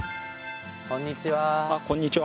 こんにちは。